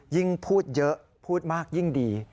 ยิ่งพูดเยอะพูดมากยิ่งดี